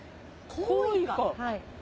はい。